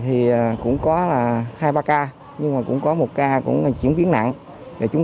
thì cũng có là hai ba ca nhưng mà cũng có một ca cũng là chuyển biến nặng và chúng